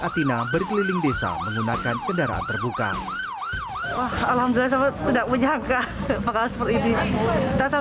atina berkeliling desa menggunakan kendaraan terbuka alhamdulillah tidak menyangka bakal